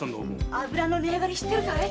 油の値上がり知ってるかい？